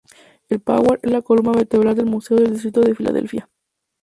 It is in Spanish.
El Parkway es la columna vertebral del Museo del Distrito de Filadelfia.